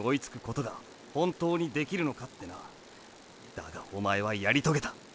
だがおまえはやり遂げた！